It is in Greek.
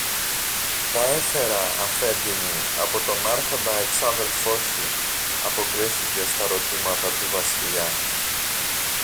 Τα έφερα, Αφέντη μου, από τον Άρχοντα εξάδελφο σου, αποκρίθηκε στα ρωτήματα του Βασιλιά.